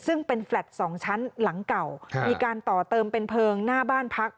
ซึ่งเป็นแฟลต์๒ชั้นหลังเก่ามีการต่อเติมเป็นเพลิงหน้าบ้านพัก